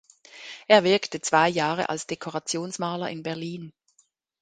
Er wirkte zwei Jahre als Dekorationsmaler in Berlin.